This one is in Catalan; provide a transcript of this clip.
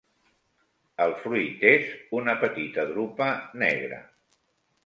El fruit és una petita drupa negra.